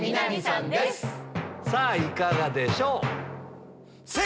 さぁいかがでしょう？